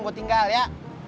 gue tinggal ya